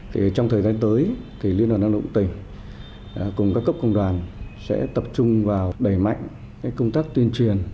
trong thời gian tới liên hợp đoàn động tình cùng các cấp công đoàn sẽ tập trung vào đẩy mạnh công tác tuyên truyền